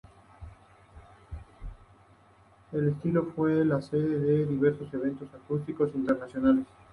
El estadio fue la sede de diversos eventos acuáticos internacionales.